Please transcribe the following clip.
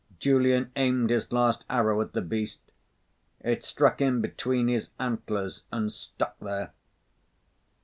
Julian aimed his last arrow at the beast. It struck him between his antlers and stuck there.